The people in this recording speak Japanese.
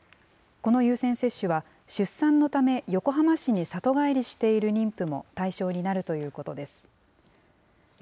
この優先接種は、出産のため横浜市に里帰りしている妊婦も対象になるということです。